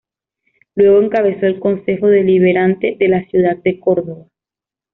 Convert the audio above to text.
Luego encabezó el Concejo Deliberante de la ciudad de Córdoba.